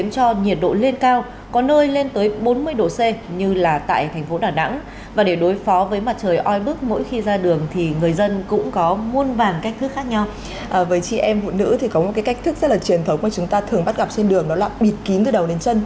thực ra là truyền thống mà chúng ta thường bắt gặp trên đường đó là bịt kín từ đầu đến chân